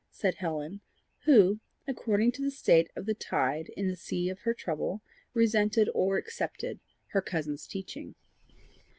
said Helen, who, according to the state of the tide in the sea of her trouble, resented or accepted her cousin's teaching.